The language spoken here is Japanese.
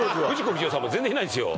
不二雄さんも全然いないですよ